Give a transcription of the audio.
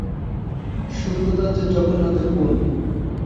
সুভদ্রা যে জগন্নাথের বােন!